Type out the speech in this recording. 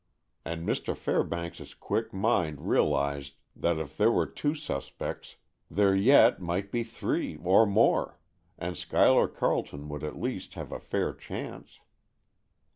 And Mr. Fairbanks's quick mind realized that if there were two suspects, there yet might be three, or more, and Schuyler Carleton would at least have a fair chance.